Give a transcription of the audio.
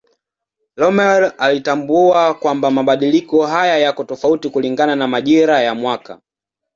Rømer alitambua kwamba mabadiliko haya yako tofauti kulingana na majira ya mwaka.